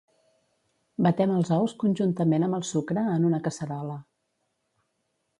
Batem els ous conjuntament amb el sucre en una casserola.